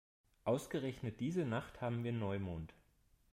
Ausgerechnet diese Nacht haben wir Neumond.